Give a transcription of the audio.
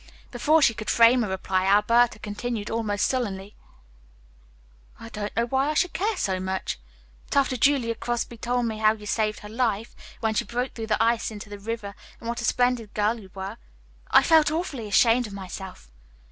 Before she could frame a reply Alberta continued almost sullenly: "I don't know why I should care so much. But after Julia Crosby told me how you saved her life when she broke through the ice into the river and what a splendid girl you were, I felt awfully ashamed of myself.